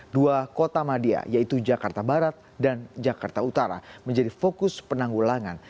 dua kota madia yaitu jakarta barat dan jakarta utara menjadi fokus penanggulangan